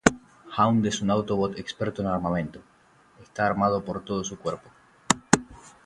Hound es un Autobot experto en armamento, está armado por todo su cuerpo.